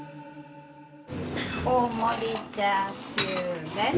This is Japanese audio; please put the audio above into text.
大盛りチャーシューです。